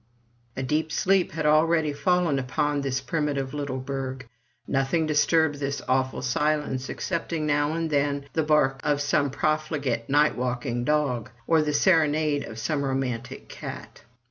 '* A deep sleep had already fallen upon this primitive little burgh, nothing disturbed this awful silence, excepting now and then the bark of some profligate night walking dog, or the serenade of some romantic cat.